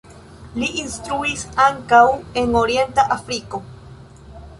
Li instruis ankaŭ en Orienta Afriko.